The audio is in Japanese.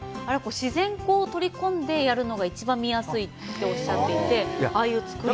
自然光を取り込んでやるのが一番見やすいっておっしゃっていて、ああいう造り。